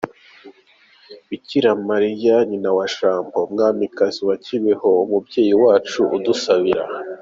BikiraMariya nyina wa Jambo mwamikazi wa Kibeho, mubyeyi wacu udusabire.